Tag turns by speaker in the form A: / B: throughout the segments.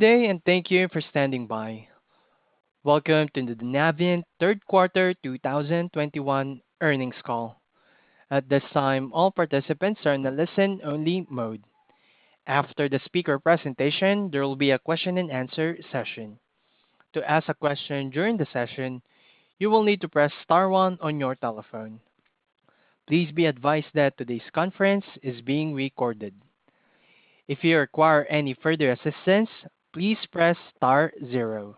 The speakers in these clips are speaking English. A: Good day, and thank you for standing by. Welcome to the Navient third quarter 2021 earnings call. At this time, all participants are in a listen-only mode. After the speaker presentation, there will be a question-and-answer session. To ask a question during the session, you will need to press star one on your telephone. Please be advised that today's conference is being recorded. If you require any further assistance, please press star zero.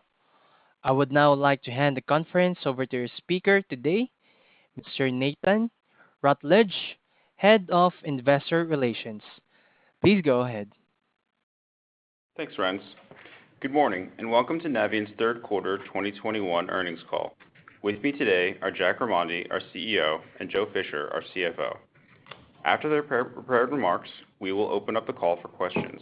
A: I would now like to hand the conference over to your speaker today, Mr. Nathan Rutledge, Head of Investor Relations. Please go ahead.
B: Thanks, Renz. Good morning, and welcome to Navient's third quarter 2021 earnings call. With me today are Jack Remondi, our CEO, and Joe Fisher, our CFO. After their pre-prepared remarks, we will open up the call for questions.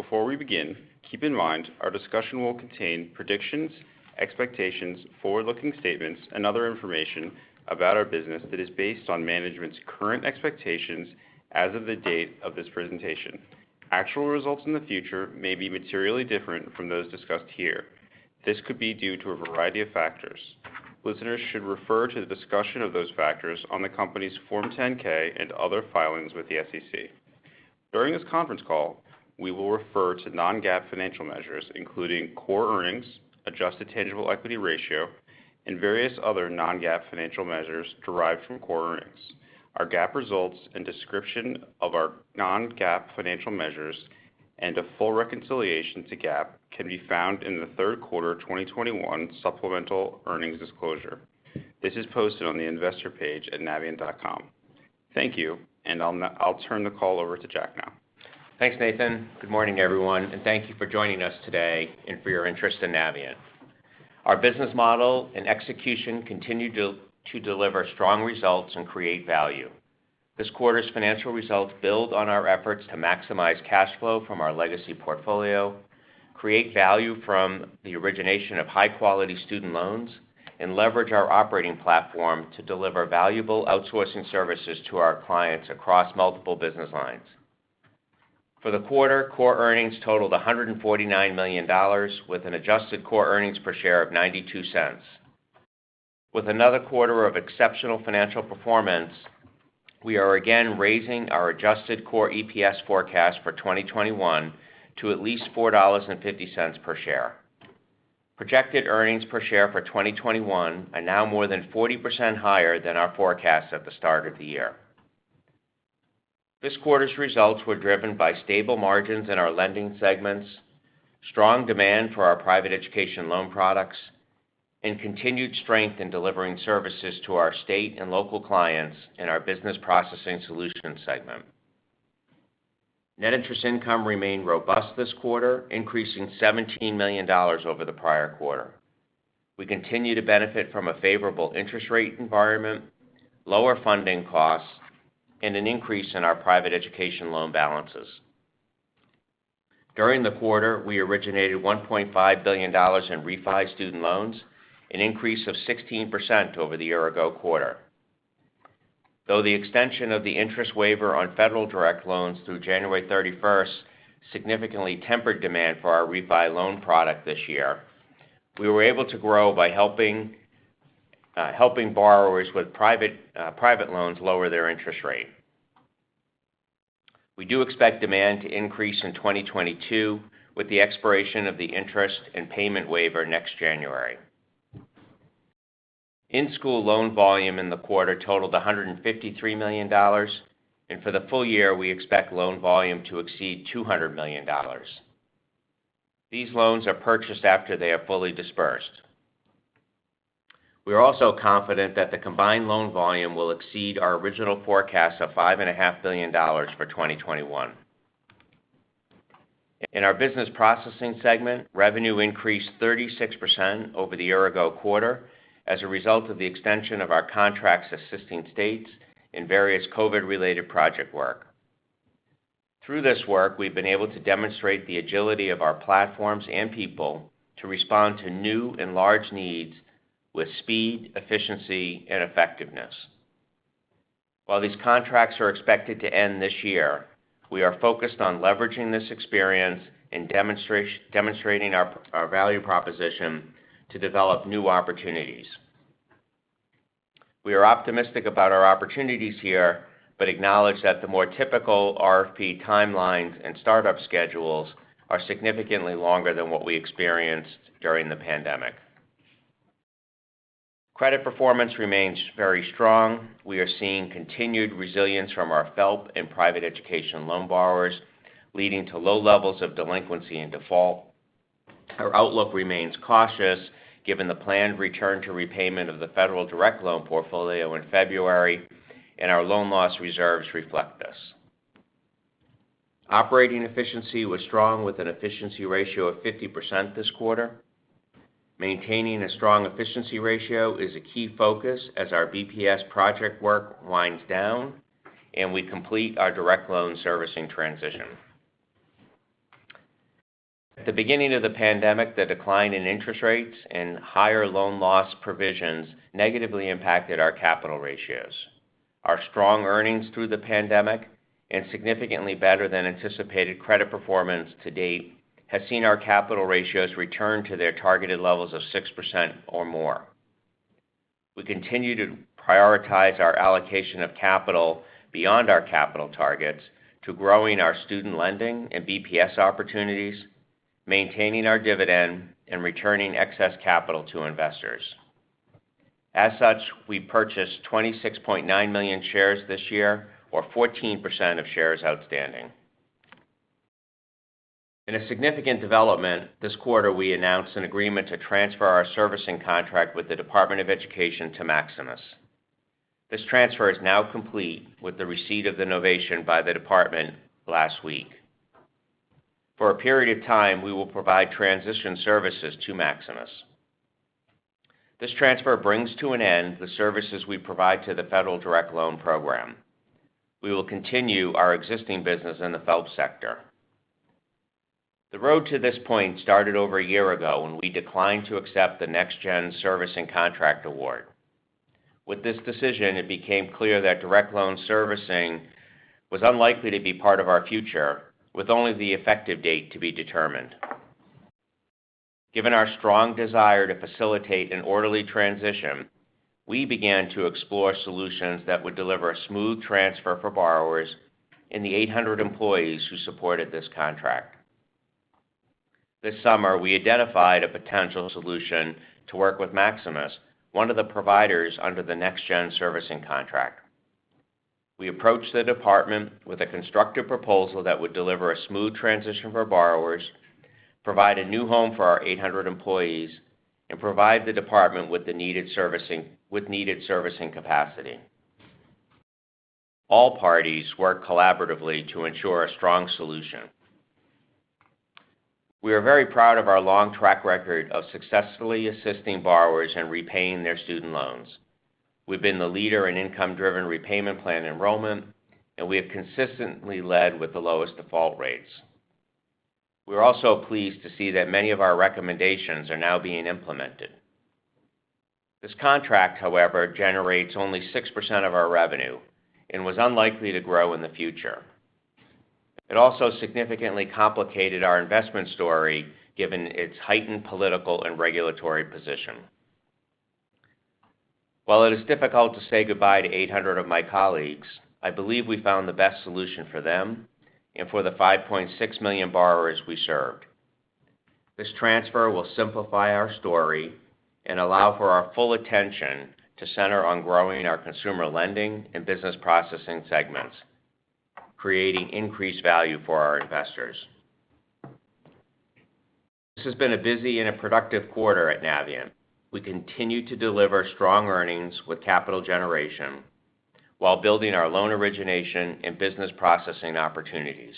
B: Before we begin, keep in mind our discussion will contain predictions, expectations, forward-looking statements, and other information about our business that is based on management's current expectations as of the date of this presentation. Actual results in the future may be materially different from those discussed here. This could be due to a variety of factors. Listeners should refer to the discussion of those factors on the company's Form 10-K and other filings with the SEC. During this conference call, we will refer to non-GAAP financial measures, including Core Earnings, Adjusted Tangible Equity Ratio, and various other non-GAAP financial measures derived from Core Earnings. Our GAAP results and description of our non-GAAP financial measures and a full reconciliation to GAAP can be found in the third quarter of 2021 supplemental earnings disclosure. This is posted on the investor page at navient.com. Thank you, and I'll turn the call over to Jack now.
C: Thanks, Nathan. Good morning, everyone, and thank you for joining us today and for your interest in Navient. Our business model and execution continue to deliver strong results and create value. This quarter's financial results build on our efforts to maximize cash flow from our legacy portfolio, create value from the origination of high-quality student loans, and leverage our operating platform to deliver valuable outsourcing services to our clients across multiple business lines. For the quarter, core earnings totaled $149 million with an adjusted core earnings per share of $0.92. With another quarter of exceptional financial performance, we are again raising our adjusted core EPS forecast for 2021 to at least $4.50 per share. Projected earnings per share for 2021 are now more than 40% higher than our forecast at the start of the year. This quarter's results were driven by stable margins in our lending segments, strong demand for our private education loan products, and continued strength in delivering services to our state and local clients in our Business Processing Solutions segment. Net interest income remained robust this quarter, increasing $17 million over the prior quarter. We continue to benefit from a favorable interest rate environment, lower funding costs, and an increase in our private education loan balances. During the quarter, we originated $1.5 billion in refi student loans, an increase of 16% over the year ago quarter. Though the extension of the interest waiver on Federal Direct Loans through January 31st significantly tempered demand for our refi loan product this year, we were able to grow by helping borrowers with private loans lower their interest rate. We do expect demand to increase in 2022 with the expiration of the interest and payment waiver next January. In-school loan volume in the quarter totaled $153 million, and for the full year, we expect loan volume to exceed $200 million. These loans are purchased after they are fully disbursed. We are also confident that the combined loan volume will exceed our original forecast of $5.5 billion for 2021. In our Business Processing segment, revenue increased 36% over the year-ago quarter as a result of the extension of our contracts assisting states in various COVID-related project work. Through this work, we've been able to demonstrate the agility of our platforms and people to respond to new and large needs with speed, efficiency, and effectiveness. While these contracts are expected to end this year, we are focused on leveraging this experience and demonstrating our value proposition to develop new opportunities. We are optimistic about our opportunities here, but acknowledge that the more typical RFP timelines and startup schedules are significantly longer than what we experienced during the pandemic. Credit performance remains very strong. We are seeing continued resilience from our FFELP and private education loan borrowers, leading to low levels of delinquency and default. Our outlook remains cautious given the planned return to repayment of the Federal Direct Loan portfolio in February, and our loan loss reserves reflect this. Operating efficiency was strong with an efficiency ratio of 50% this quarter. Maintaining a strong efficiency ratio is a key focus as our BPS project work winds down, and we complete our direct loan servicing transition. At the beginning of the pandemic, the decline in interest rates and higher loan loss provisions negatively impacted our capital ratios. Our strong earnings through the pandemic and significantly better than anticipated credit performance to date has seen our capital ratios return to their targeted levels of 6% or more. We continue to prioritize our allocation of capital beyond our capital targets to growing our student lending and BPS opportunities, maintaining our dividend, and returning excess capital to investors. As such, we purchased 26.9 million shares this year or 14% of shares outstanding. In a significant development this quarter, we announced an agreement to transfer our servicing contract with the Department of Education to Maximus. This transfer is now complete with the receipt of the novation by the department last week. For a period of time, we will provide transition services to Maximus. This transfer brings to an end the services we provide to the Federal Direct Loan Program. We will continue our existing business in the FFELP sector. The road to this point started over a year ago when we declined to accept the NextGen servicing contract award. With this decision, it became clear that direct loan servicing was unlikely to be part of our future, with only the effective date to be determined. Given our strong desire to facilitate an orderly transition, we began to explore solutions that would deliver a smooth transfer for borrowers and the 800 employees who supported this contract. This summer, we identified a potential solution to work with Maximus, one of the providers under the NextGen servicing contract. We approached the department with a constructive proposal that would deliver a smooth transition for borrowers, provide a new home for our 800 employees, and provide the department with the needed servicing capacity. All parties worked collaboratively to ensure a strong solution. We are very proud of our long track record of successfully assisting borrowers in repaying their student loans. We've been the leader in income-driven repayment plan enrollment, and we have consistently led with the lowest default rates. We're also pleased to see that many of our recommendations are now being implemented. This contract, however, generates only 6% of our revenue and was unlikely to grow in the future. It also significantly complicated our investment story, given its heightened political and regulatory position. While it is difficult to say goodbye to 800 of my colleagues, I believe we found the best solution for them and for the 5.6 million borrowers we served. This transfer will simplify our story and allow for our full attention to center on growing our consumer lending and business processing segments, creating increased value for our investors. This has been a busy and a productive quarter at Navient. We continue to deliver strong earnings with capital generation while building our loan origination and business processing opportunities.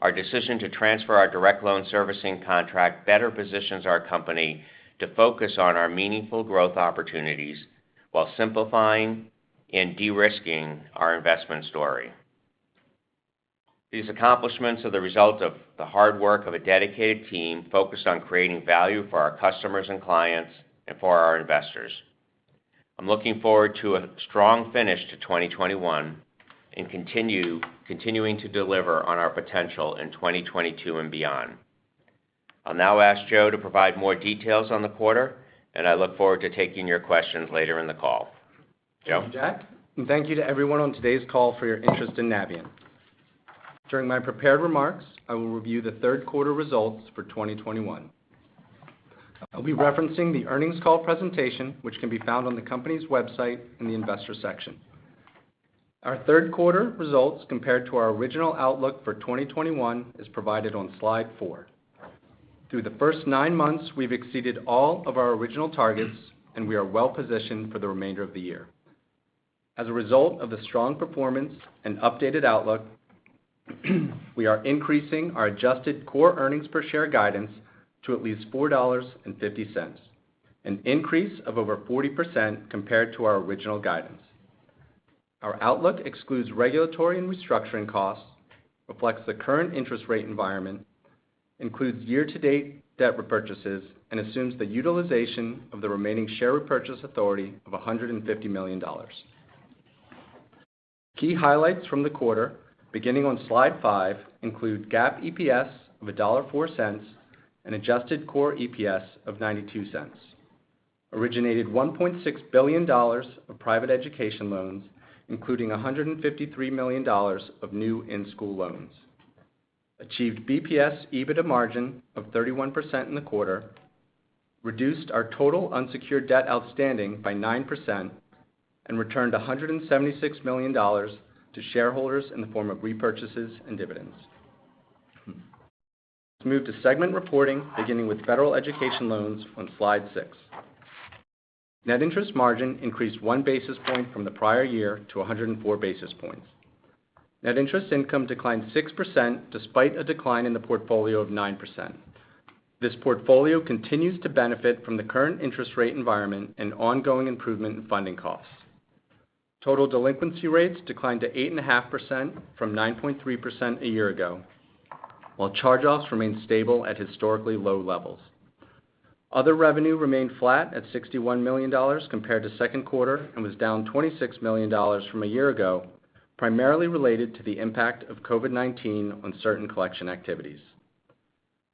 C: Our decision to transfer our direct loan servicing contract better positions our company to focus on our meaningful growth opportunities while simplifying and de-risking our investment story. These accomplishments are the result of the hard work of a dedicated team focused on creating value for our customers and clients and for our investors. I'm looking forward to a strong finish to 2021 and continuing to deliver on our potential in 2022 and beyond. I'll now ask Joe to provide more details on the quarter, and I look forward to taking your questions later in the call. Joe?
D: Jack, thank you to everyone on today's call for your interest in Navient. During my prepared remarks, I will review the third quarter results for 2021. I'll be referencing the earnings call presentation, which can be found on the company's website in the investor section. Our third quarter results compared to our original outlook for 2021 is provided on slide four. Through the first nine months, we've exceeded all of our original targets, and we are well-positioned for the remainder of the year. As a result of the strong performance and updated outlook, we are increasing our adjusted core earnings per share guidance to at least $4.50, an increase of over 40% compared to our original guidance. Our outlook excludes regulatory and restructuring costs, reflects the current interest rate environment, includes year-to-date debt repurchases, and assumes the utilization of the remaining share repurchase authority of $150 million. Key highlights from the quarter, beginning on slide five, include GAAP EPS of $1.04 and adjusted core EPS of $0.92. Originated $1.6 billion of private education loans, including $153 million of new in-school loans. Achieved BPS EBITDA margin of 31% in the quarter, reduced our total unsecured debt outstanding by 9%, and returned $176 million to shareholders in the form of repurchases and dividends. Let's move to segment reporting, beginning with federal education loans on slide six. Net interest margin increased 1 basis point from the prior year to 104 basis points. Net interest income declined 6% despite a decline in the portfolio of 9%. This portfolio continues to benefit from the current interest rate environment and ongoing improvement in funding costs. Total delinquency rates declined to 8.5% from 9.3% a year ago, while charge-offs remain stable at historically low levels. Other revenue remained flat at $61 million compared to second quarter, and was down $26 million from a year ago, primarily related to the impact of COVID-19 on certain collection activities.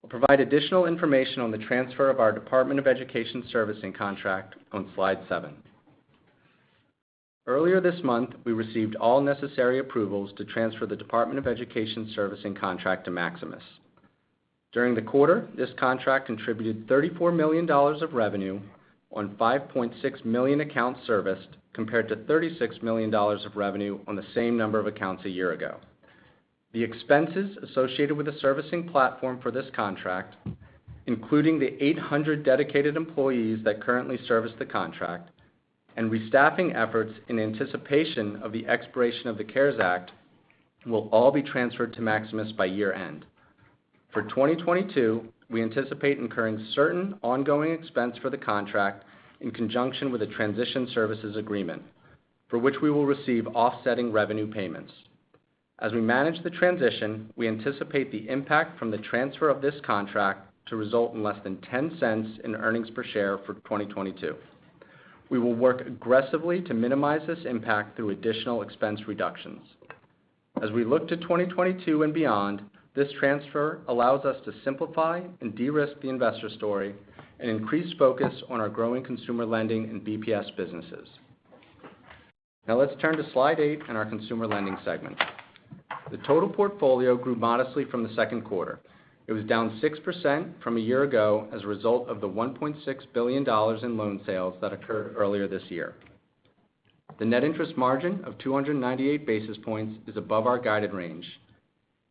D: We'll provide additional information on the transfer of our Department of Education servicing contract on slide seven. Earlier this month, we received all necessary approvals to transfer the Department of Education servicing contract to Maximus. During the quarter, this contract contributed $34 million of revenue on 5.6 million accounts serviced, compared to $36 million of revenue on the same number of accounts a year ago. The expenses associated with the servicing platform for this contract, including the 800 dedicated employees that currently service the contract and restaffing efforts in anticipation of the expiration of the CARES Act, will all be transferred to Maximus by year-end. For 2022, we anticipate incurring certain ongoing expense for the contract in conjunction with a transition services agreement, for which we will receive offsetting revenue payments. As we manage the transition, we anticipate the impact from the transfer of this contract to result in less than $0.10 in earnings per share for 2022. We will work aggressively to minimize this impact through additional expense reductions. As we look to 2022 and beyond, this transfer allows us to simplify and de-risk the investor story and increase focus on our growing consumer lending and BPS businesses. Now let's turn to slide eight in our consumer lending segment. The total portfolio grew modestly from the second quarter. It was down 6% from a year ago as a result of the $1.6 billion in loan sales that occurred earlier this year. The net interest margin of 298 basis points is above our guided range.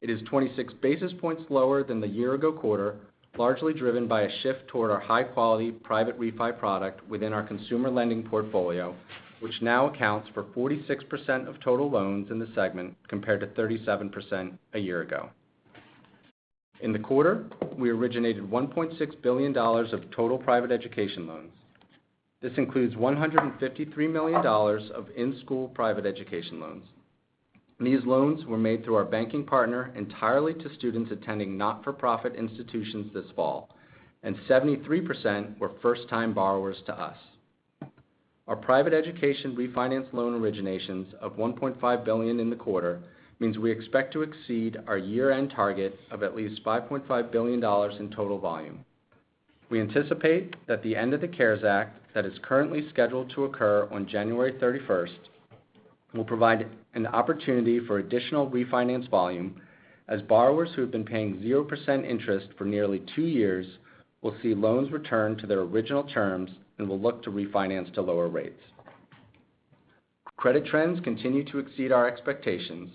D: It is 26 basis points lower than the year-ago quarter, largely driven by a shift toward our high-quality private refi product within our consumer lending portfolio, which now accounts for 46% of total loans in the segment, compared to 37% a year ago. In the quarter, we originated $1.6 billion of total private education loans. This includes $153 million of in-school private education loans. These loans were made through our banking partner entirely to students attending not-for-profit institutions this fall, and 73% were first-time borrowers to us. Our private education refinance loan originations of $1.5 billion in the quarter means we expect to exceed our year-end target of at least $5.5 billion in total volume. We anticipate that the end of the CARES Act, that is currently scheduled to occur on January 31st, will provide an opportunity for additional refinance volume as borrowers who have been paying 0% interest for nearly two years will see loans return to their original terms and will look to refinance to lower rates. Credit trends continue to exceed our expectations,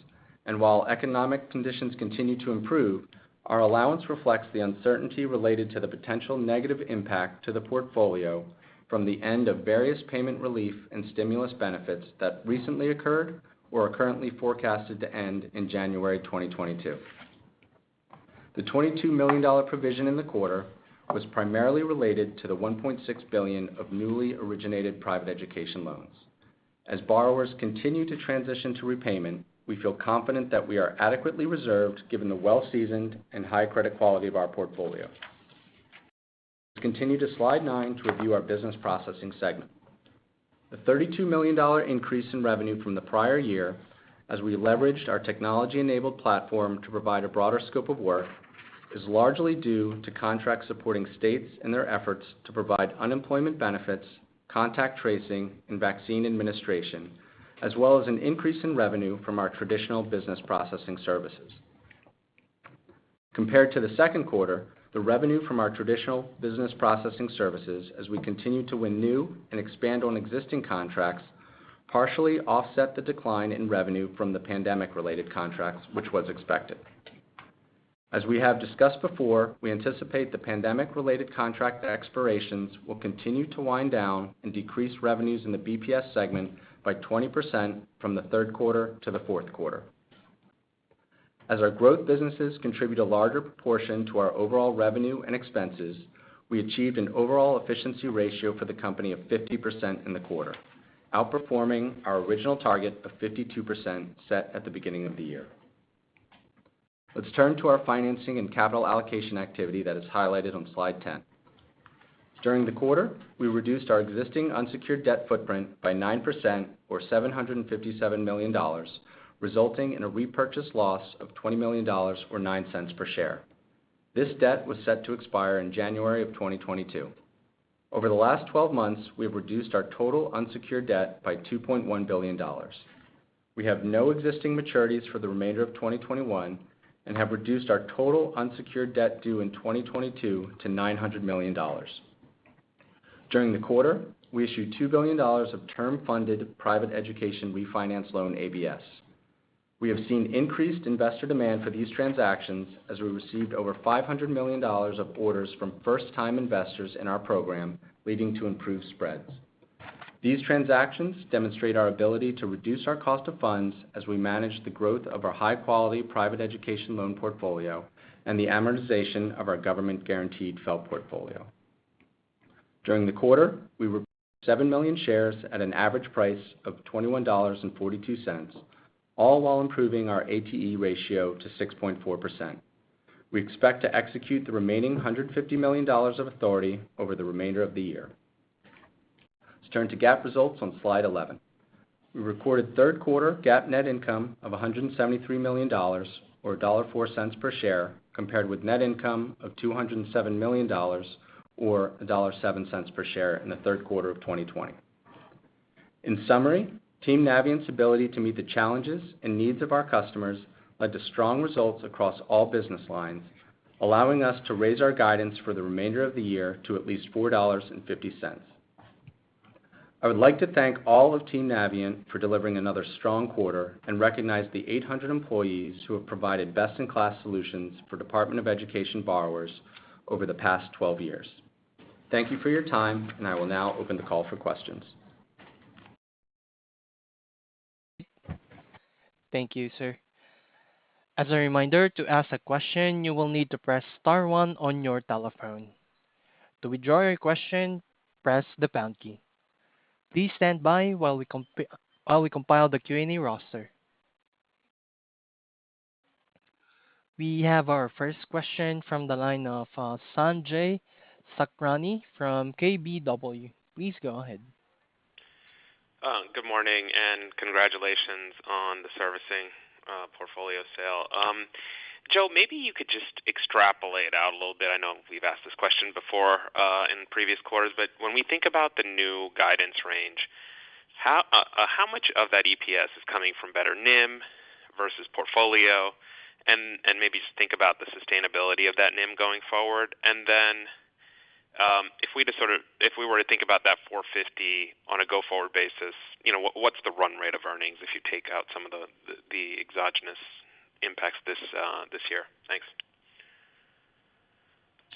D: and while economic conditions continue to improve, our allowance reflects the uncertainty related to the potential negative impact to the portfolio from the end of various payment relief and stimulus benefits that recently occurred or are currently forecasted to end in January 2022. The $22 million provision in the quarter was primarily related to the $1.6 billion of newly originated private education loans. As borrowers continue to transition to repayment, we feel confident that we are adequately reserved given the well-seasoned and high credit quality of our portfolio. Continue to slide nine to review our business processing segment. The $32 million increase in revenue from the prior year, as we leveraged our technology-enabled platform to provide a broader scope of work, is largely due to contracts supporting states in their efforts to provide unemployment benefits, contact tracing, and vaccine administration, as well as an increase in revenue from our traditional Business Processing Solutions. Compared to the second quarter, the revenue from our traditional Business Processing Solutions as we continue to win new and expand on existing contracts partially offset the decline in revenue from the pandemic-related contracts, which was expected. We anticipate the pandemic-related contract expirations will continue to wind down and decrease revenues in the BPS segment by 20% from the third quarter to the fourth quarter. As our growth businesses contribute a larger proportion to our overall revenue and expenses, we achieved an overall efficiency ratio for the company of 50% in the quarter, outperforming our original target of 52% set at the beginning of the year. Let's turn to our financing and capital allocation activity that is highlighted on slide 10. During the quarter, we reduced our existing unsecured debt footprint by 9% or $757 million, resulting in a repurchase loss of $20 million or $0.09 per share. This debt was set to expire in January of 2022. Over the last 12 months, we have reduced our total unsecured debt by $2.1 billion. We have no existing maturities for the remainder of 2021 and have reduced our total unsecured debt due in 2022 to $900 million. During the quarter, we issued $2 billion of term funded private education refinance loan ABS. We have seen increased investor demand for these transactions as we received over $500 million of orders from first-time investors in our program, leading to improved spreads. These transactions demonstrate our ability to reduce our cost of funds as we manage the growth of our high-quality private education loan portfolio and the amortization of our government-guaranteed FFEL portfolio. During the quarter, we repurchased 7 million shares at an average price of $21.42, all while improving our ATE ratio to 6.4%. We expect to execute the remaining $150 million of authority over the remainder of the year. Let's turn to GAAP results on slide 11. We recorded third quarter GAAP net income of $173 million, or $1.04 per share, compared with net income of $207 million or $1.07 per share in the third quarter of 2020. In summary, Team Navient's ability to meet the challenges and needs of our customers led to strong results across all business lines, allowing us to raise our guidance for the remainder of the year to at least $4.50. I would like to thank all of Team Navient for delivering another strong quarter and recognize the 800 employees who have provided best-in-class solutions for Department of Education borrowers over the past 12 years. Thank you for your time, and I will now open the call for questions.
A: Thank you, sir. As a reminder, to ask a question, you will need to press star one on your telephone. To withdraw your question, press the pound key. Please stand by while we compile the Q&A roster. We have our first question from the line of Sanjay Sakhrani from KBW. Please go ahead.
E: Good morning and congratulations on the servicing portfolio sale. Joe, maybe you could just extrapolate out a little bit. I know we've asked this question before in previous quarters, but when we think about the new guidance range, how much of that EPS is coming from better NIM versus portfolio? Maybe just think about the sustainability of that NIM going forward. Then, if we were to think about that $4.50 on a go-forward basis, you know, what's the run rate of earnings if you take out some of the exogenous impacts this year? Thanks.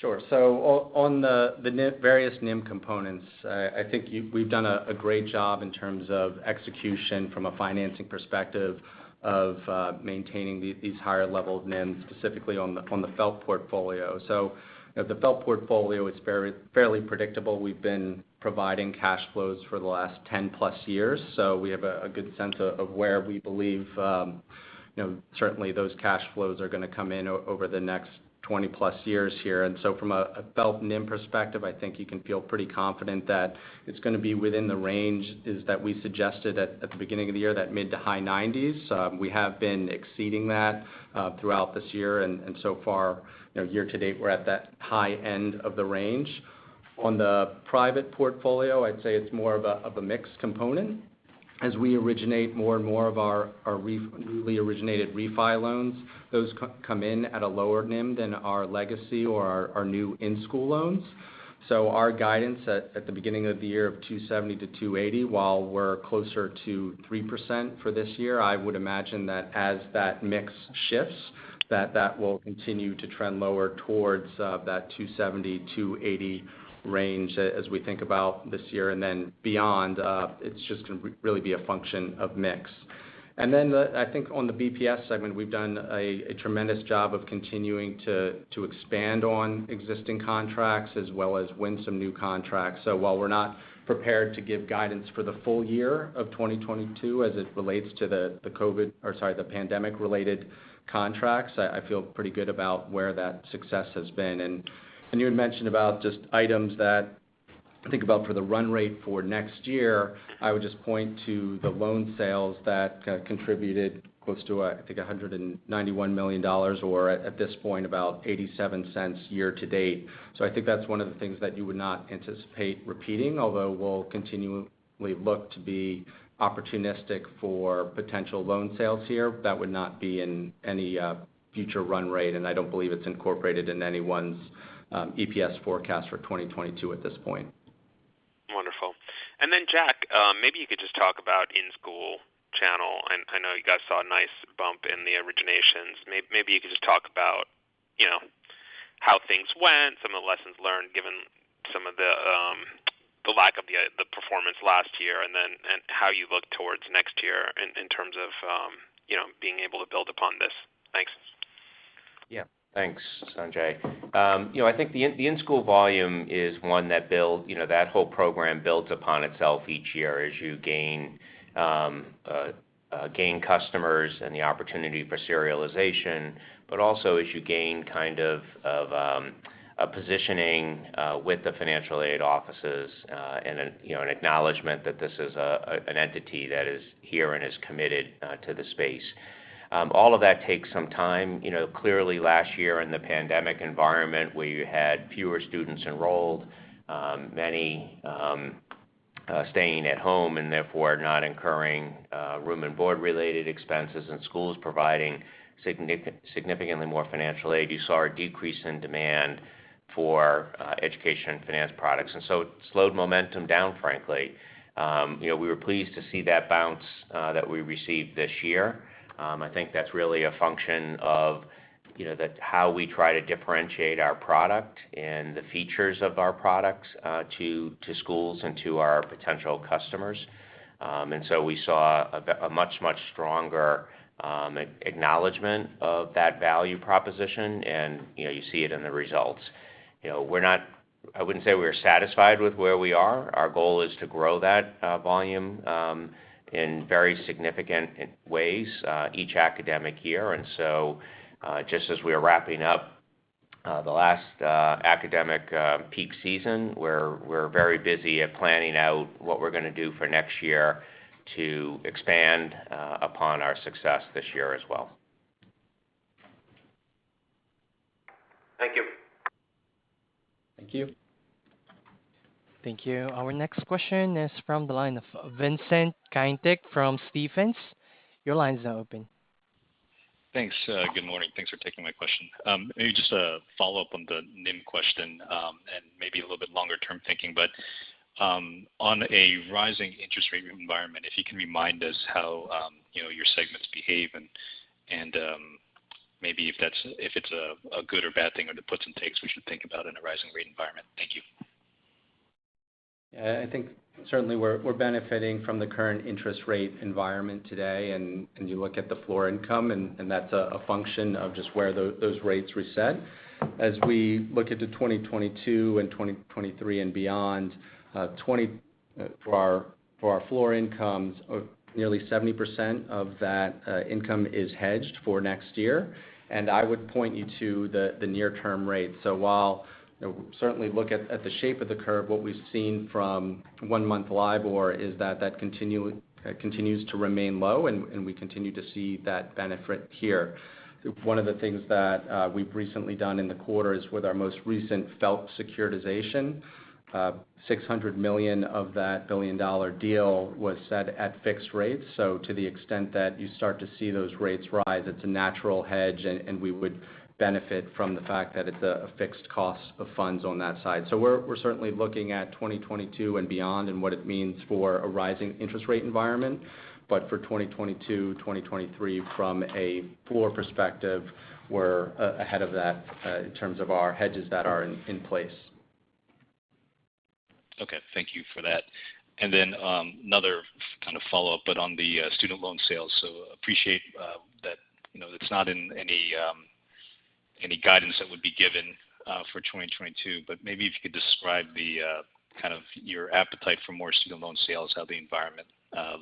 D: Sure. On the various NIM components, I think we've done a great job in terms of execution from a financing perspective of maintaining these higher level NIMs, specifically on the FFEL portfolio. The FFEL portfolio is fairly predictable. We've been providing cash flows for the last 10+ years, so we have a good sense of where we believe, you know, certainly those cash flows are gonna come in over the next 20+ years here. From a FFEL NIM perspective, I think you can feel pretty confident that it's gonna be within the range that we suggested at the beginning of the year, that mid- to high-90s. We have been exceeding that throughout this year. So far, you know, year to date, we're at that high end of the range. On the private portfolio, I'd say it's more of a mixed component. As we originate more and more of our newly originated refi loans, those come in at a lower NIM than our legacy or our new in-school loans. Our guidance at the beginning of the year of 270-280, while we're closer to 3% for this year, I would imagine that as that mix shifts, that will continue to trend lower towards that 270-280 range as we think about this year. Then beyond, it's just gonna really be a function of mix. I think on the BPS segment, we've done a tremendous job of continuing to expand on existing contracts as well as win some new contracts. While we're not prepared to give guidance for the full year of 2022 as it relates to the pandemic-related contracts, I feel pretty good about where that success has been. You had mentioned about just items that I think about for the run rate for next year, I would just point to the loan sales that contributed close to, I think, $191 million or at this point about $0.87 year to date. I think that's one of the things that you would not anticipate repeating, although we'll continually look to be opportunistic for potential loan sales here. That would not be in any future run rate, and I don't believe it's incorporated in anyone's EPS forecast for 2022 at this point.
E: Wonderful. Jack, maybe you could just talk about in-school channel. I know you guys saw a nice bump in the originations. Maybe you could just talk about, you know, how things went, some of the lessons learned given some of the lack of performance last year, and how you look towards next year in terms of, you know, being able to build upon this. Thanks.
C: Yeah. Thanks, Sanjay. You know, I think the in-school volume is one that builds upon itself each year as you gain customers and the opportunity for securitization. But also as you gain a positioning with the financial aid offices, and then, you know, an acknowledgement that this is an entity that is here and is committed to the space. All of that takes some time. You know, clearly last year in the pandemic environment, we had fewer students enrolled, many staying at home and therefore not incurring room and board related expenses and schools providing significantly more financial aid. You saw a decrease in demand for education finance products. It slowed momentum down, frankly. You know, we were pleased to see that bounce that we received this year. I think that's really a function of, you know, how we try to differentiate our product and the features of our products to schools and to our potential customers. We saw a much stronger acknowledgment of that value proposition. You know, you see it in the results. You know, we're not. I wouldn't say we're satisfied with where we are. Our goal is to grow that volume in very significant ways each academic year. Just as we are wrapping up the last academic peak season, we're very busy at planning out what we're gonna do for next year to expand upon our success this year as well.
E: Thank you.
C: Thank you.
A: Thank you. Our next question is from the line of Vincent Caintic from Stephens. Your line is now open.
F: Thanks. Good morning. Thanks for taking my question. Maybe just a follow-up on the NIM question, and maybe a little bit longer term thinking. On a rising interest rate environment, if you can remind us how, you know, your segments behave and, maybe if it's a good or bad thing or the puts and takes we should think about in a rising rate environment. Thank you.
D: Yeah. I think certainly we're benefiting from the current interest rate environment today. You look at the Floor Income and that's a function of just where those rates reset. As we look into 2022 and 2023 and beyond, for our Floor Incomes, nearly 70% of that income is hedged for next year. I would point you to the near-term rate. While, you know, we certainly look at the shape of the curve, what we've seen from one-month LIBOR is that it continues to remain low and we continue to see that benefit here. One of the things that we've recently done in the quarter is with our most recent FFELP securitization, $600 million of that $1 billion deal was set at fixed rates. To the extent that you start to see those rates rise, it's a natural hedge and we would benefit from the fact that it's a fixed cost of funds on that side. We're certainly looking at 2022 and beyond and what it means for a rising interest rate environment. For 2022, 2023 from a floor perspective, we're ahead of that in terms of our hedges that are in place.
F: Okay, thank you for that. Another kind of follow up, but on the student loan sales. Appreciate that, you know, it's not in any guidance that would be given for 2022, but maybe if you could describe the kind of your appetite for more student loan sales, how the environment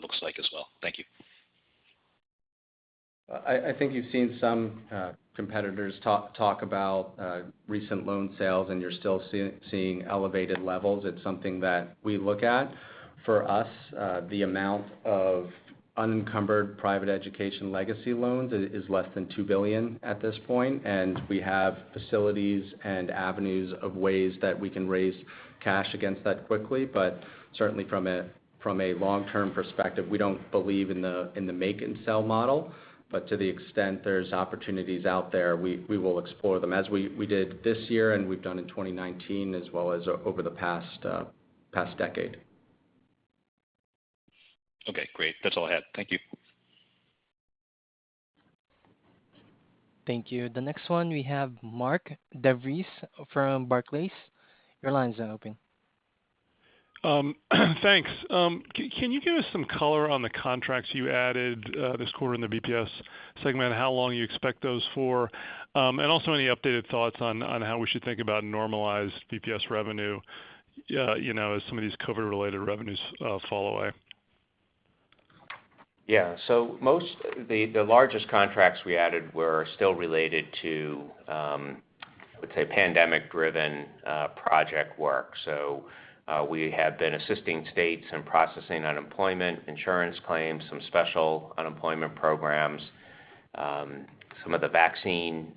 F: looks like as well. Thank you.
D: I think you've seen some competitors talk about recent loan sales and you're still seeing elevated levels. It's something that we look at. For us, the amount of unencumbered private education legacy loans is less than $2 billion at this point. We have facilities and avenues of ways that we can raise cash against that quickly. Certainly from a long-term perspective, we don't believe in the make and sell model. To the extent there's opportunities out there, we will explore them as we did this year and we've done in 2019 as well as over the past decade.
F: Okay, great. That's all I had. Thank you.
A: Thank you. The next one we have Mark DeVries from Barclays. Your line is now open.
G: Can you give us some color on the contracts you added this quarter in the BPS segment, how long you expect those for? Also any updated thoughts on how we should think about normalized BPS revenue, you know, as some of these COVID-related revenues fall away.
C: The largest contracts we added were still related to, let's say, pandemic-driven project work. We have been assisting states in processing unemployment insurance claims, some special unemployment programs, some of the vaccine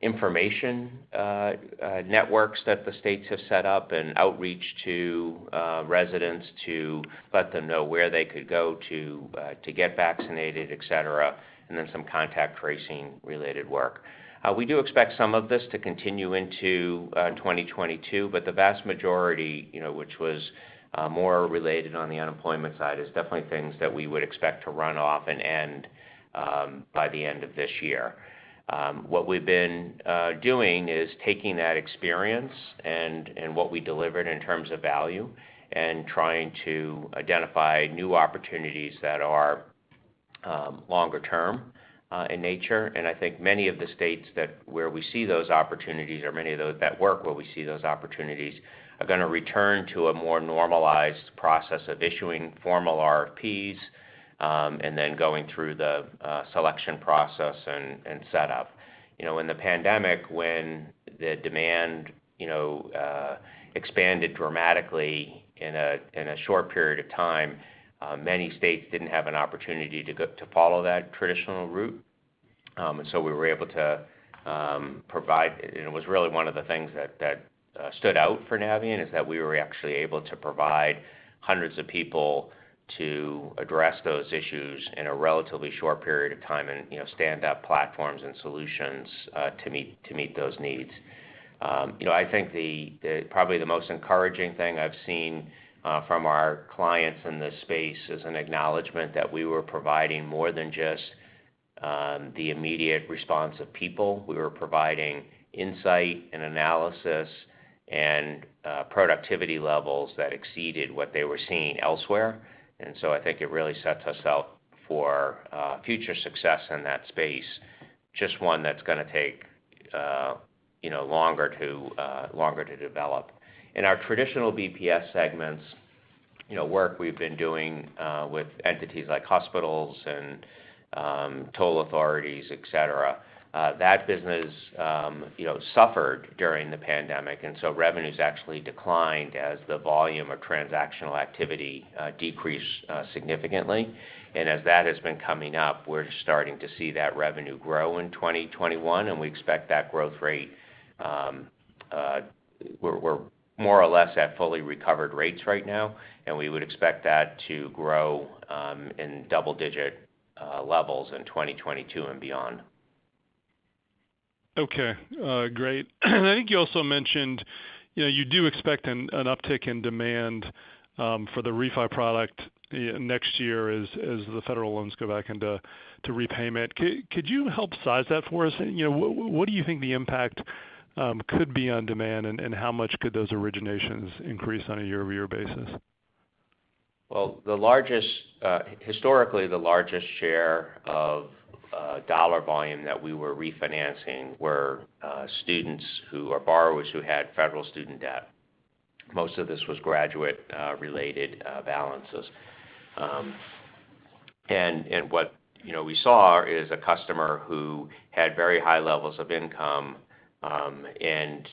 C: information networks that the states have set up and outreach to residents to let them know where they could go to get vaccinated, et cetera, and then some contact tracing related work. We do expect some of this to continue into 2022, but the vast majority, you know, which was more related on the unemployment side, is definitely things that we would expect to run off and end by the end of this year. What we've been doing is taking that experience and what we delivered in terms of value and trying to identify new opportunities that are longer term in nature. I think many of the states that where we see those opportunities or many of that work where we see those opportunities are gonna return to a more normalized process of issuing formal RFPs and then going through the selection process and set up. You know, in the pandemic when the demand you know expanded dramatically in a short period of time many states didn't have an opportunity to follow that traditional route. We were able to provide and it was really one of the things that stood out for Navient, is that we were actually able to provide hundreds of people to address those issues in a relatively short period of time and, you know, stand up platforms and solutions to meet those needs. You know, I think probably the most encouraging thing I've seen from our clients in this space is an acknowledgement that we were providing more than just the immediate response of people. We were providing insight and analysis and productivity levels that exceeded what they were seeing elsewhere. I think it really sets us up for future success in that space, just one that's gonna take, you know, longer to develop. In our traditional BPS segments, you know, work we've been doing with entities like hospitals and toll authorities, et cetera, that business, you know, suffered during the pandemic. Revenues actually declined as the volume of transactional activity decreased significantly. As that has been coming up, we're starting to see that revenue grow in 2021, and we expect that growth rate, we're more or less at fully recovered rates right now, and we would expect that to grow in double digit levels in 2022 and beyond.
G: Okay. Great. I think you also mentioned you do expect an uptick in demand for the refi product next year as the federal loans go back into repayment. Could you help size that for us? What do you think the impact could be on demand, and how much could those originations increase on a year-over-year basis?
C: Well, historically, the largest share of dollar volume that we were refinancing were students who, or borrowers who had federal student debt. Most of this was graduate related balances. And what you know we saw is a customer who had very high levels of income and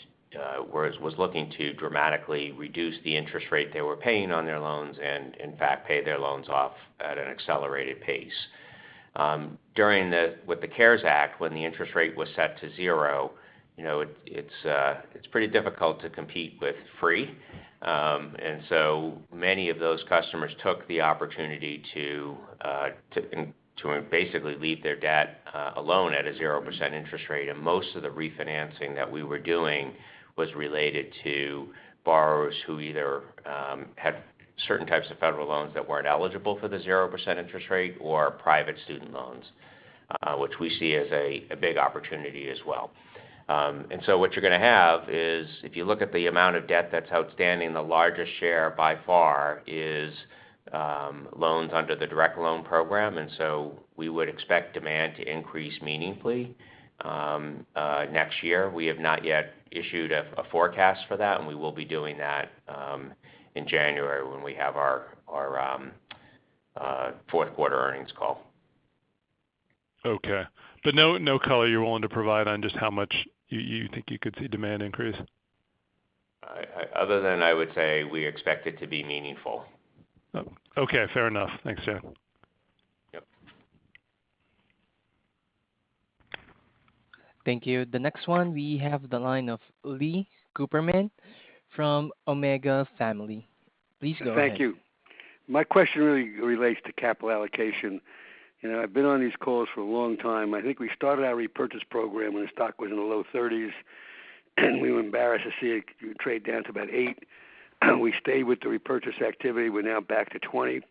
C: was looking to dramatically reduce the interest rate they were paying on their loans and in fact pay their loans off at an accelerated pace. With the CARES Act, when the interest rate was set to zero, you know, it's pretty difficult to compete with free. So many of those customers took the opportunity to basically leave their debt alone at a 0% interest rate. Most of the refinancing that we were doing was related to borrowers who either had certain types of federal loans that weren't eligible for the 0% interest rate or private student loans, which we see as a big opportunity as well. What you're gonna have is if you look at the amount of debt that's outstanding, the largest share by far is loans under the direct loan program. We would expect demand to increase meaningfully next year. We have not yet issued a forecast for that, and we will be doing that in January when we have our fourth quarter earnings call.
G: Okay. No, no color you're willing to provide on just how much you think you could see demand increase?
C: Other than I would say we expect it to be meaningful.
G: Okay, fair enough. Thanks, Jack.
C: Yep.
A: Thank you. The next one we have the line of Lee Cooperman from Omega Family. Please go ahead.
H: Thank you. My question really relates to capital allocation. You know, I've been on these calls for a long time. I think we started our repurchase program when the stock was in the low $30s, and we were embarrassed to see it trade down to about $8. We stayed with the repurchase activity. We're now back to $20.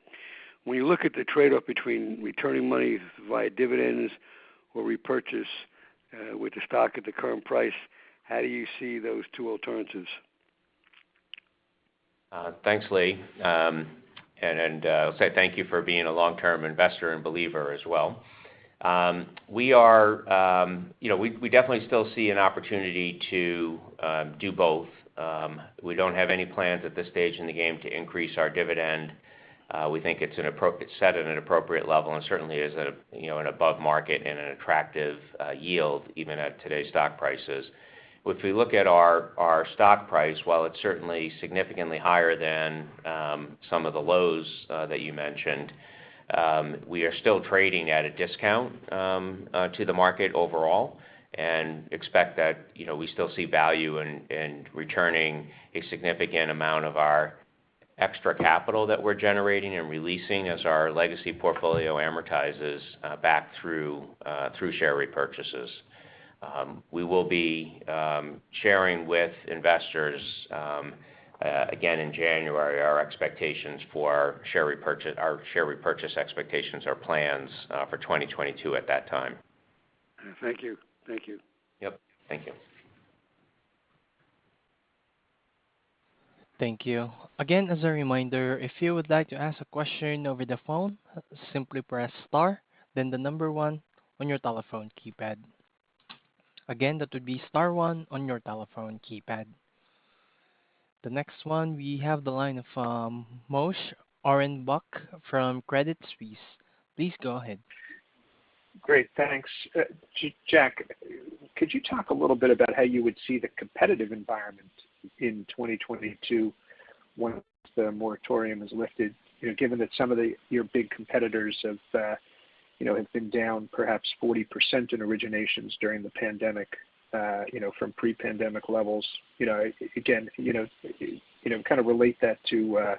H: When you look at the trade-off between returning money via dividends or repurchase, with the stock at the current price, how do you see those two alternatives?
C: Thanks, Lee. I'll say thank you for being a long-term investor and believer as well. You know, we definitely still see an opportunity to do both. We don't have any plans at this stage in the game to increase our dividend. We think it's set at an appropriate level and certainly is at a, you know, an above market and an attractive yield even at today's stock prices. If we look at our stock price, while it's certainly significantly higher than some of the lows that you mentioned, we are still trading at a discount to the market overall and expect that, you know, we still see value in returning a significant amount of our extra capital that we're generating and releasing as our legacy portfolio amortizes back through share repurchases. We will be sharing with investors again in January our expectations for our share repurchase expectations or plans for 2022 at that time.
H: Thank you. Thank you.
C: Yep. Thank you.
A: Thank you. Again, as a reminder, if you would like to ask a question over the phone, simply press star, then 1 on your telephone keypad. Again, that would be star 1 on your telephone keypad. The next one, we have the line of Moshe Orenbuch from Credit Suisse. Please go ahead.
I: Great, thanks. Jack, could you talk a little bit about how you would see the competitive environment in 2022 once the moratorium is lifted? You know, given that some of your big competitors have been down perhaps 40% in originations during the pandemic, you know, from pre-pandemic levels. You know, again, you know, kind of relate that to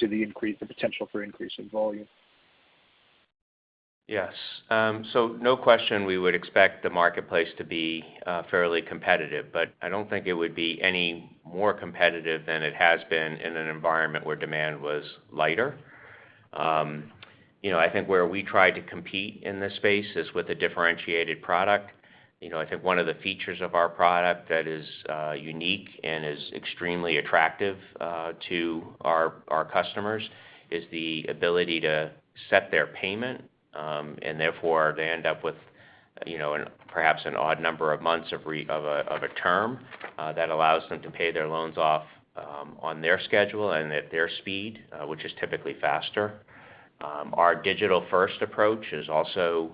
I: the potential for increase in volume.
C: Yes. No question we would expect the marketplace to be fairly competitive, but I don't think it would be any more competitive than it has been in an environment where demand was lighter. You know, I think where we try to compete in this space is with a differentiated product. You know, I think one of the features of our product that is unique and is extremely attractive to our customers is the ability to set their payment. Therefore, they end up with, you know, perhaps an odd number of months of a term that allows them to pay their loans off on their schedule and at their speed, which is typically faster. Our digital-first approach is also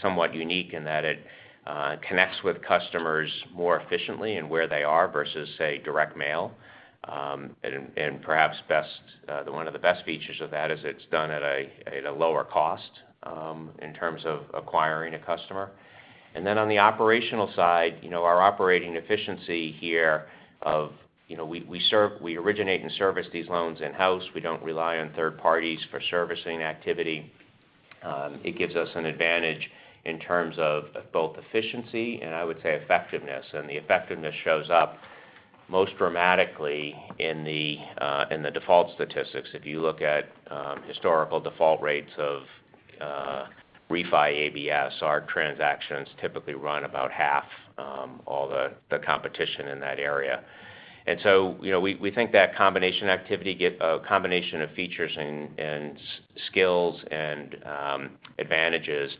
C: somewhat unique in that it connects with customers more efficiently and where they are versus, say, direct mail. Perhaps best, one of the best features of that is it's done at a lower cost in terms of acquiring a customer. On the operational side, you know, our operating efficiency here of, you know, we originate and service these loans in-house. We don't rely on third parties for servicing activity. It gives us an advantage in terms of both efficiency and I would say effectiveness. The effectiveness shows up most dramatically in the default statistics. If you look at historical default rates of refi ABS, our transactions typically run about half all the competition in that area. You know, we think that a combination of features and skills and advantages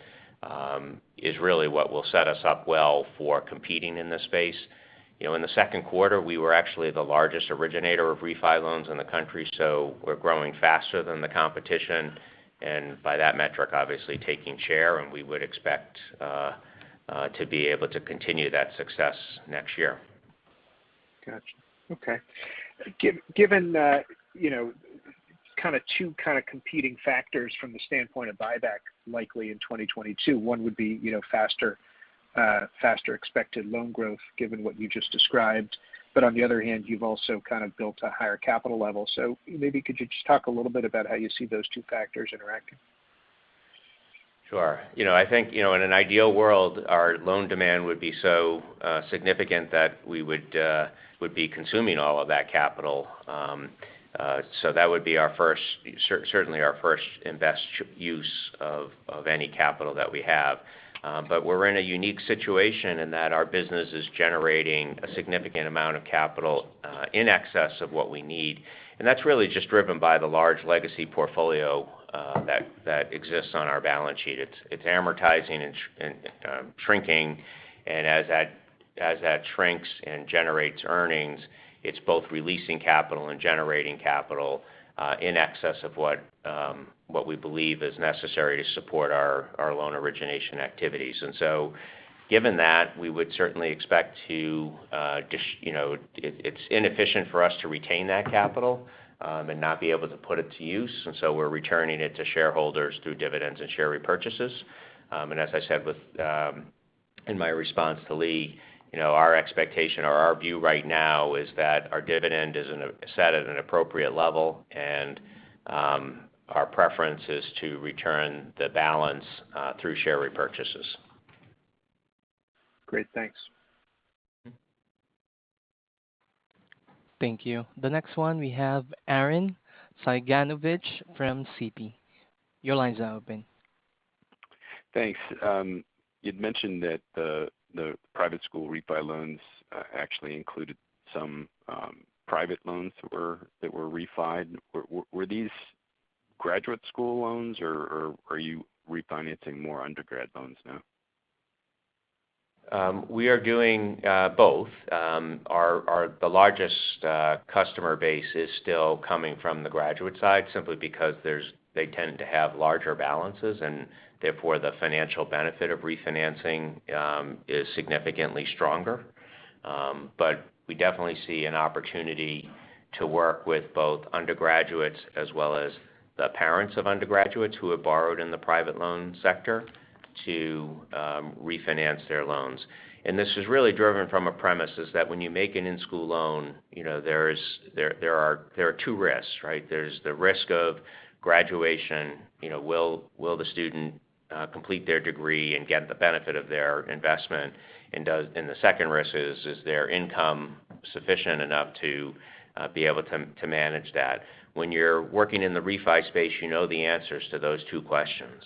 C: is really what will set us up well for competing in this space. You know, in the second quarter, we were actually the largest originator of refi loans in the country, so we're growing faster than the competition, and by that metric, obviously taking share, and we would expect to be able to continue that success next year.
I: Gotcha. Okay. Given, you know, kind of two kind of competing factors from the standpoint of buyback likely in 2022, one would be, you know, faster expected loan growth given what you just described. On the other hand, you've also kind of built a higher capital level. Maybe could you just talk a little bit about how you see those two factors interacting?
C: Sure. You know, I think, you know, in an ideal world, our loan demand would be so significant that we would be consuming all of that capital. That would be certainly our first investment use of any capital that we have. We're in a unique situation in that our business is generating a significant amount of capital in excess of what we need. That's really just driven by the large legacy portfolio that exists on our balance sheet. It's amortizing and shrinking. As that shrinks and generates earnings, it's both releasing capital and generating capital in excess of what we believe is necessary to support our loan origination activities. Given that, we would certainly expect, you know, it's inefficient for us to retain that capital and not be able to put it to use. We're returning it to shareholders through dividends and share repurchases. As I said in my response to Lee, you know, our expectation or our view right now is that our dividend is set at an appropriate level and our preference is to return the balance through share repurchases.
I: Great. Thanks.
A: Thank you. The next one we have Arren Cyganovich from Citi. Your line's now open.
J: Thanks. You'd mentioned that the private school refi loans actually included some private loans that were refi'd. Were these graduate school loans, or are you refinancing more undergrad loans now?
C: We are doing both. Our largest customer base is still coming from the graduate side simply because they tend to have larger balances, and therefore the financial benefit of refinancing is significantly stronger. We definitely see an opportunity to work with both undergraduates as well as the parents of undergraduates who have borrowed in the private loan sector to refinance their loans. This is really driven from a premise is that when you make an in-school loan, you know, there are two risks, right? There's the risk of graduation, you know, will the student complete their degree and get the benefit of their investment? The second risk is their income sufficient enough to be able to manage that? When you're working in the refi space, you know the answers to those two questions.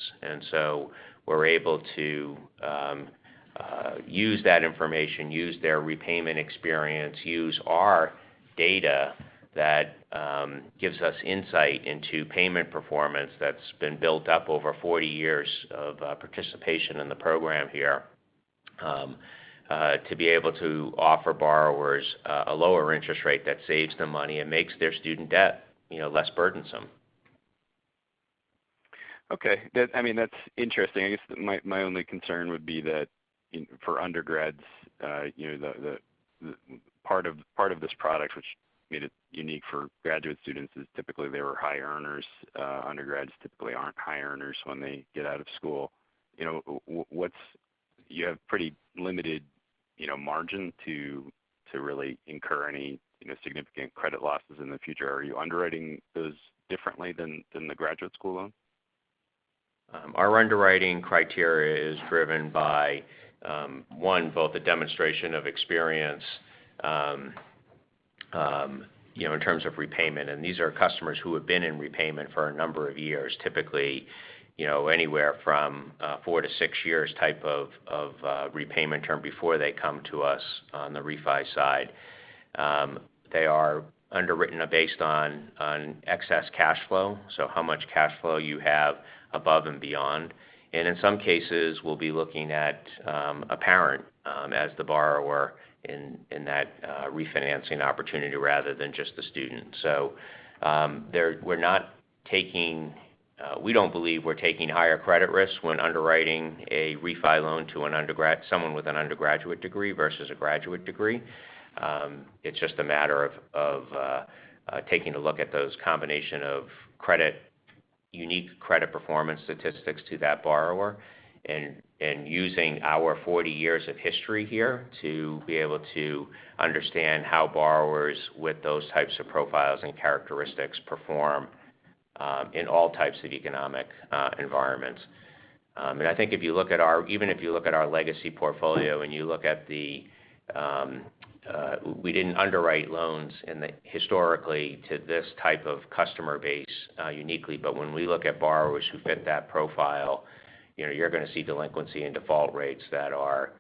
C: We're able to use that information, use their repayment experience, use our data that gives us insight into payment performance that's been built up over 40 years of participation in the program here to be able to offer borrowers a lower interest rate that saves them money and makes their student debt, you know, less burdensome.
J: Okay. I mean, that's interesting. I guess my only concern would be that for undergrads, you know, part of this product, which made it unique for graduate students, is typically they were high earners. Undergrads typically aren't high earners when they get out of school. You know, you have pretty limited, you know, margin to really incur any, you know, significant credit losses in the future. Are you underwriting those differently than the graduate school loan?
C: Our underwriting criteria is driven by both the demonstration of experience, you know, in terms of repayment. These are customers who have been in repayment for a number of years. Typically, you know, anywhere from four to six years type of repayment term before they come to us on the refi side. They are underwritten based on excess cash flow, so how much cash flow you have above and beyond. In some cases, we'll be looking at a parent as the borrower in that refinancing opportunity rather than just the student. We don't believe we're taking higher credit risks when underwriting a refi loan to someone with an undergraduate degree versus a graduate degree. It's just a matter of taking a look at those combination of unique credit performance statistics to that borrower and using our 40 years of history here to be able to understand how borrowers with those types of profiles and characteristics perform in all types of economic environments. I think if you look at our legacy portfolio, and you look at the we didn't underwrite loans historically to this type of customer base uniquely. When we look at borrowers who fit that profile, you know, you're gonna see delinquency and default rates that are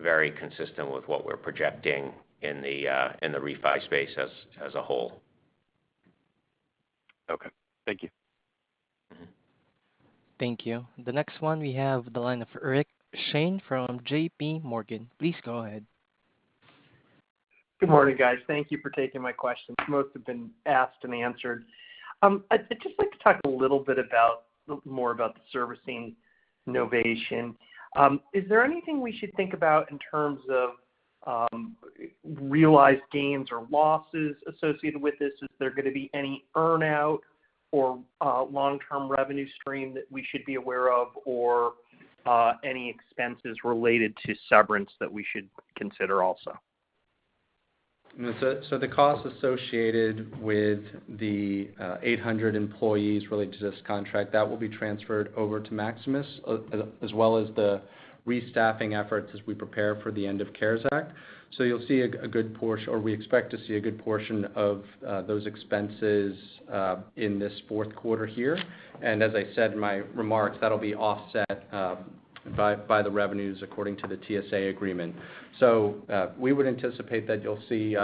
C: very consistent with what we're projecting in the refi space as a whole.
J: Okay. Thank you.
A: Thank you. The next one we have the line of Rick Shane from JPMorgan. Please go ahead.
K: Good morning, guys. Thank you for taking my questions. Most have been asked and answered. I'd just like to talk a little bit about more about the servicing novation. Is there anything we should think about in terms of realized gains or losses associated with this? Is there gonna be any earn-out or long-term revenue stream that we should be aware of or any expenses related to severance that we should consider also?
D: The costs associated with the 800 employees related to this contract that will be transferred over to Maximus as well as the restaffing efforts as we prepare for the end of CARES Act. You'll see or we expect to see a good portion of those expenses in this fourth quarter here. As I said in my remarks, that'll be offset by the revenues according to the TSA agreement. We would anticipate that you'll see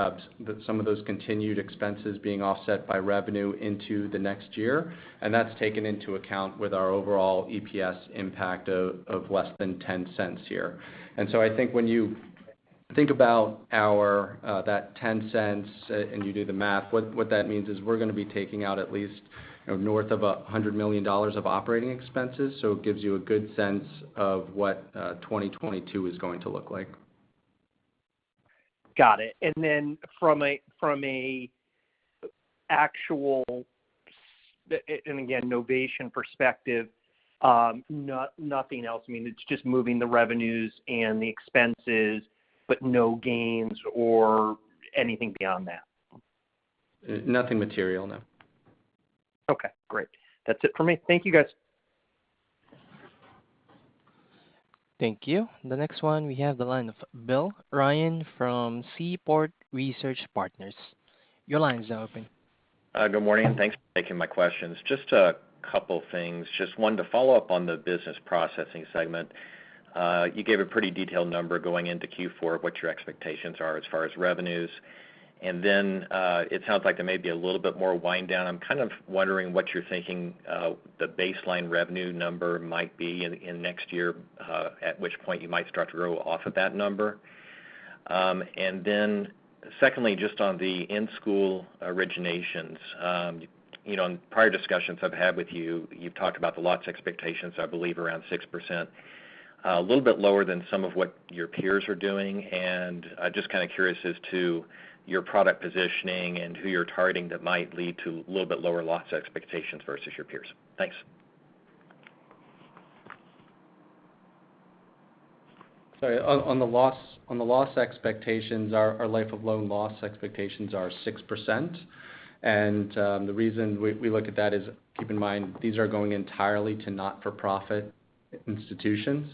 D: some of those continued expenses being offset by revenue into the next year, and that's taken into account with our overall EPS impact of less than $0.10 here. I think when you think about our that ten cents and you do the math, what that means is we're gonna be taking out at least, you know, north of $100 million of operating expenses. It gives you a good sense of what 2022 is going to look like.
K: Got it. From an actual and again, novation perspective, nothing else. I mean, it's just moving the revenues and the expenses, but no gains or anything beyond that.
D: Nothing material, no.
K: Okay, great. That's it for me. Thank you, guys.
A: Thank you. The next one we have the line of Bill Ryan from Seaport Research Partners. Your line is now open.
L: Good morning, and thanks for taking my questions. Just a couple things. Just one to follow up on the Business Processing segment. You gave a pretty detailed number going into Q4 of what your expectations are as far as revenues. It sounds like there may be a little bit more wind down. I'm kind of wondering what you're thinking, the baseline revenue number might be in next year, at which point you might start to grow off of that number. Secondly, just on the in-school originations. You know, in prior discussions I've had with you've talked about the loss expectations, I believe around 6%. A little bit lower than some of what your peers are doing. Just kinda curious as to your product positioning and who you're targeting that might lead to a little bit lower loss expectations versus your peers? Thanks.
D: Sorry. On the loss expectations, our life of loan loss expectations are 6%. The reason we look at that is, keep in mind, these are going entirely to not-for-profit institutions.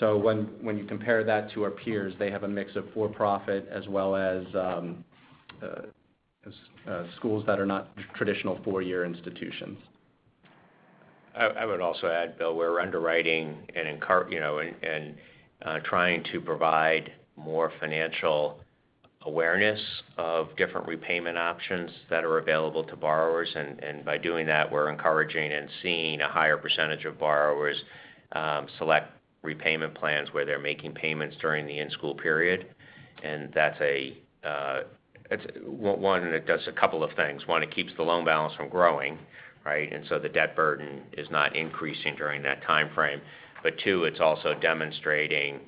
D: When you compare that to our peers, they have a mix of for-profit as well as schools that are not traditional four-year institutions.
C: I would also add, Bill, we're underwriting and, you know, and trying to provide more financial awareness of different repayment options that are available to borrowers. By doing that, we're encouraging and seeing a higher percentage of borrowers select repayment plans where they're making payments during the in-school period. That's one, it does a couple of things. One, it keeps the loan balance from growing, right? The debt burden is not increasing during that timeframe. Two, it's also demonstrating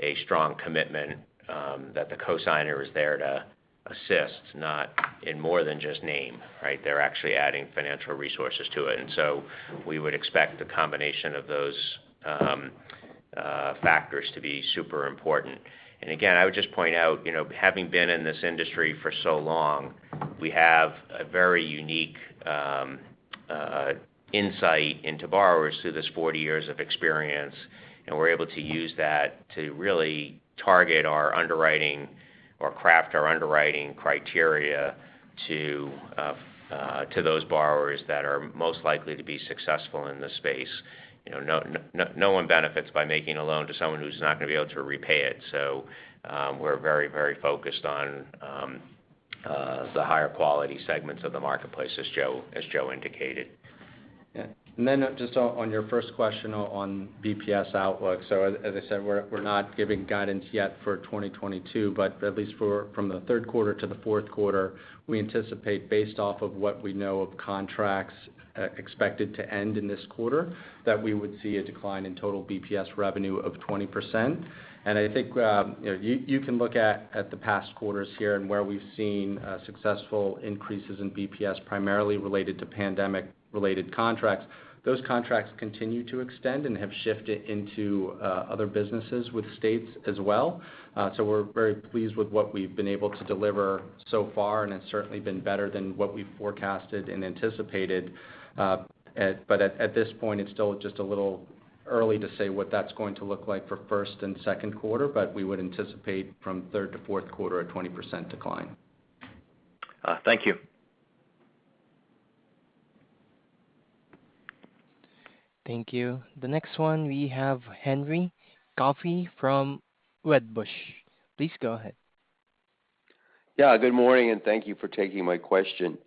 C: a strong commitment that the cosigner is there to assist, not in more than just name, right? They're actually adding financial resources to it. We would expect the combination of those factors to be super important. Again, I would just point out, you know, having been in this industry for so long, we have a very unique insight into borrowers through this 40 years of experience, and we're able to use that to really target our underwriting or craft our underwriting criteria to those borrowers that are most likely to be successful in this space. You know, no one benefits by making a loan to someone who's not gonna be able to repay it. So, we're very focused on the higher quality segments of the marketplace, as Joe indicated.
D: Yeah. Just on your first question on BPS outlook. As I said, we're not giving guidance yet for 2022, but at least from the third quarter to the fourth quarter, we anticipate based off of what we know of contracts expected to end in this quarter, that we would see a decline in total BPS revenue of 20%. I think you can look at the past quarters here and where we've seen successful increases in BPS, primarily related to pandemic-related contracts. Those contracts continue to extend and have shifted into other businesses with states as well. We're very pleased with what we've been able to deliver so far, and it's certainly been better than what we forecasted and anticipated. At this point, it's still just a little early to say what that's going to look like for first and second quarter, but we would anticipate from third to fourth quarter a 20% decline.
L: Thank you.
A: Thank you. The next one we have Henry Coffey from Wedbush. Please go ahead.
M: Yeah, good morning, and thank you for taking my question.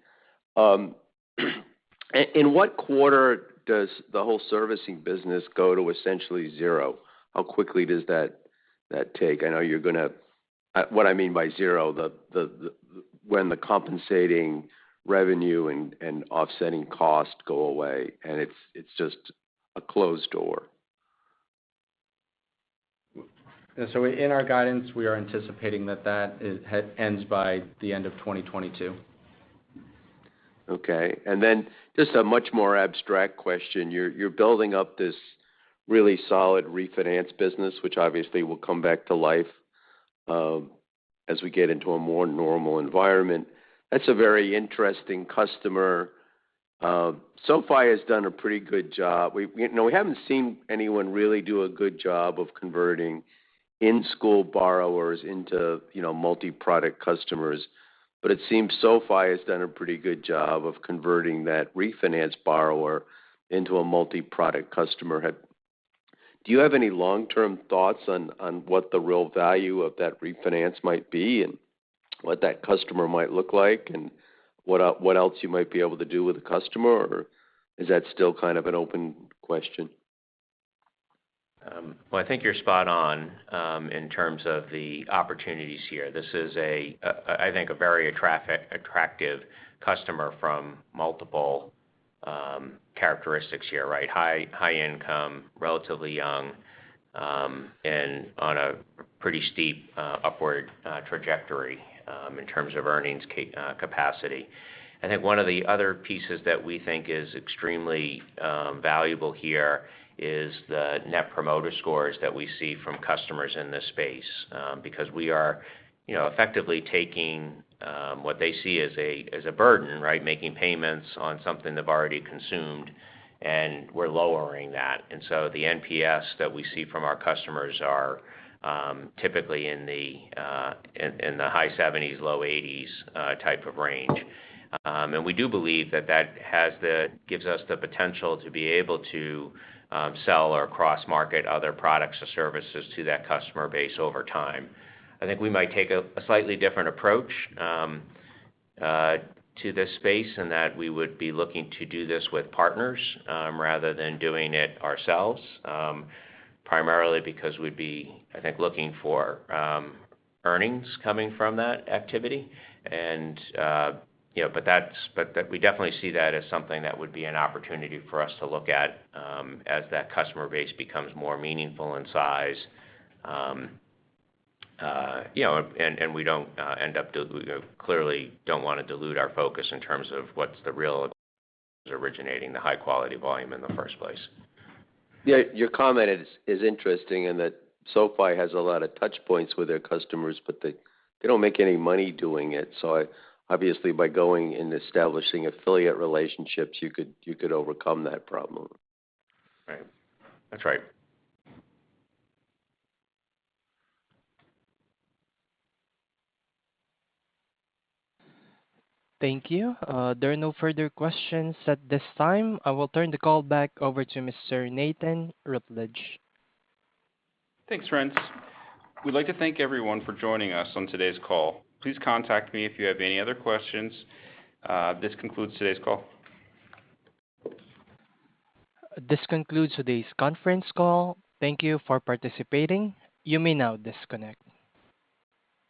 M: In what quarter does the whole servicing business go to essentially zero? How quickly does that take? What I mean by zero, when the compensating revenue and offsetting cost go away, and it's just a closed door.
D: In our guidance, we are anticipating that it ends by the end of 2022.
M: Okay. Just a much more abstract question. You're building up this really solid refinance business, which obviously will come back to life as we get into a more normal environment. That's a very interesting customer. SoFi has done a pretty good job. We you know, we haven't seen anyone really do a good job of converting in-school borrowers into you know, multi-product customers. It seems SoFi has done a pretty good job of converting that refinance borrower into a multi-product customer. Do you have any long-term thoughts on what the real value of that refinance might be and what that customer might look like and what else you might be able to do with the customer, or is that still kind of an open question?
C: Well, I think you're spot on in terms of the opportunities here. This is, I think, a very attractive customer from multiple characteristics here, right? High income, relatively young, and on a pretty steep upward trajectory in terms of earnings capacity. I think one of the other pieces that we think is extremely valuable here is the Net Promoter Scores that we see from customers in this space. Because we are, you know, effectively taking what they see as a burden, right? Making payments on something they've already consumed, and we're lowering that. The NPS that we see from our customers are typically in the high 70s, low 80s type of range. We do believe that that has the, gives us the potential to be able to sell or cross-market other products or services to that customer base over time. I think we might take a slightly different approach to this space in that we would be looking to do this with partners rather than doing it ourselves. Primarily because we'd be, I think, looking for earnings coming from that activity. You know, but we definitely see that as something that would be an opportunity for us to look at as that customer base becomes more meaningful in size. You know, and we don't end up, you know, clearly don't wanna dilute our focus in terms of what's really originating the high-quality volume in the first place.
M: Yeah, your comment is interesting in that SoFi has a lot of touch points with their customers, but they don't make any money doing it. Obviously, by going and establishing affiliate relationships, you could overcome that problem.
C: Right. That's right.
A: Thank you. There are no further questions at this time. I will turn the call back over to Mr. Nathan Rutledge.
B: Thanks, Renz. We'd like to thank everyone for joining us on today's call. Please contact me if you have any other questions. This concludes today's call.
A: This concludes today's conference call. Thank you for participating. You may now disconnect.